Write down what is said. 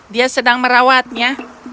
dia sedang merawatnya